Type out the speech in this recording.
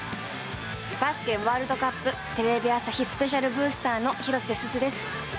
バスケワールドカップテレビ朝日スペシャルブースターの広瀬すずです。